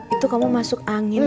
itu kamu masuk angin